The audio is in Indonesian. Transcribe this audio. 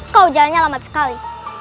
kau jalannya lama sekali